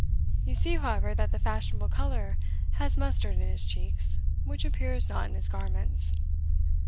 You see, however, that the fashionable colour has mustered in his cheeks which appears not in his garments.